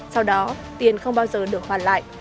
sau đó tiền không bao giờ được hoàn lại